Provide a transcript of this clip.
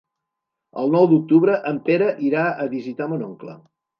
El nou d'octubre en Pere irà a visitar mon oncle.